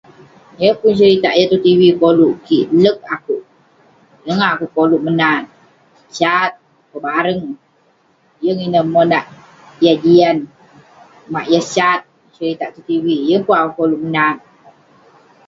Yeng pun seritak yah tong tv koluek tan kik leng akuek yeng akuek koluk menat sat pebareng yeng ineh monak eh jian maok yah sat seritak tong tv yeng pun akuek koluk nat